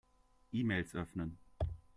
E-Mails öffnen.